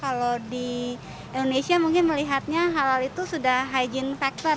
kalau di indonesia mungkin melihatnya halal itu sudah hygiene factor